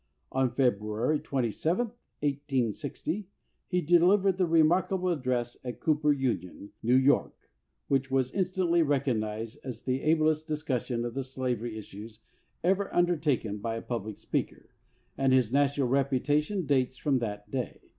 On February 27, 1860, he delivered the remarkable address at Cooper Union, New York, which was instantly recog 281 LINCOLN THE LAWYER nized as the ablest discussion of the slavery issues ever undertaken by a public speaker, and his na tional reputation dates from that day.